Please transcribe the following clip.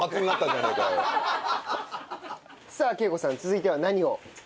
さあ桂子さん続いては何を？